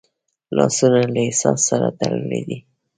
لاسونه له احساس سره تړلي دي